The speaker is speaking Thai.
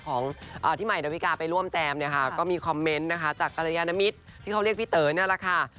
ของพี่ใหม่ดาวิกาไปร่วมแจมเนี่ยค่ะก็มีคอมเมนต์นะคะจากกรยานมิตรที่เขาเรียกพี่เต๋อเนี่ยแหละค่ะ